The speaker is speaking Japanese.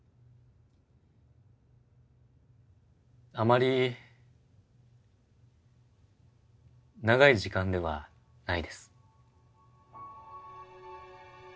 あまり長い時間ではないです。